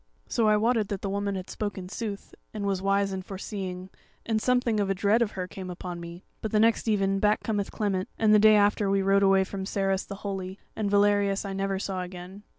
"So I wotted that the woman had spoken sooth, and was wise and foreseeing, and something of a dread of her came upon me. But the next even back cometh Clement, and the day after we rode away from Sarras the Holy, and Valerius I saw never again.